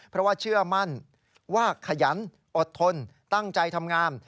เพราะว่าเชื่อมั่นว่าขยันอดทนตั้งใจทำงาน